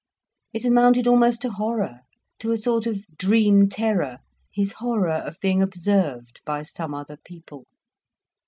It amounted almost to horror, to a sort of dream terror—his horror of being observed by some other people.